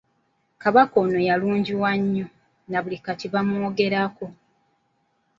Kabaka ono yalungiwa nnyo, na buli kati bamwogerako.